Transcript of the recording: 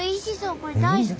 これ大好き。